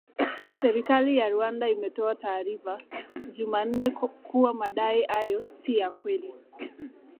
Serikali ya Rwanda, imetoa taarifa jumanne, kuwa madai hayo “si ya kweli”